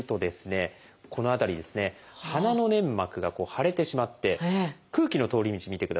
この辺りですね鼻の粘膜が腫れてしまって空気の通り道見てください。